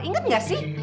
ingat gak sih